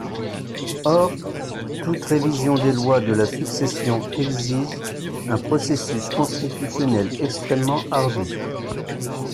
Or, toute révision des lois de la succession exige un processus constitutionnel extrêmement ardu.